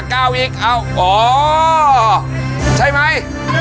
ก้าวอีกโอ้วใช่มั้ย